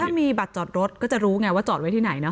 ถ้ามีบัตรจอดรถก็จะรู้ไงว่าจอดไว้ที่ไหนนะ